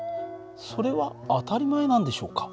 それは当たり前なんでしょうか。